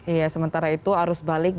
iya sementara itu arus balik